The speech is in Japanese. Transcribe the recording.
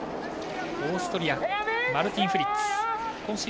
オーストリアマルティン・フリッツ。